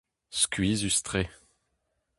Skuizhus-tre.